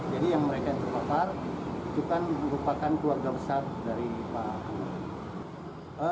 jadi yang mereka terpapar itu kan merupakan keluarga besar dari pak